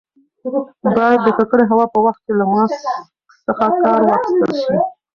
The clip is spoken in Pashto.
باید د ککړې هوا په وخت کې له ماسک څخه کار واخیستل شي.